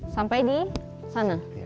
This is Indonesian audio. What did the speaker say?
sampai di sana